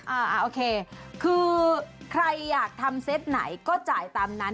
โอเคคือใครอยากทำเซตไหนก็จ่ายตามนั้น